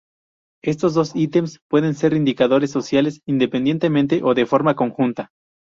Estos dos ítems pueden ser indicadores sociales, independientemente o de forma conjunta.